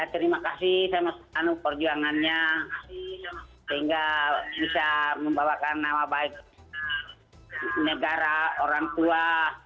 terima kasih saya masih anu perjuangannya sehingga bisa membawakan nama baik negara orang tua